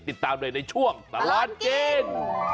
ติดตามเลยในช่วงตลาดกิน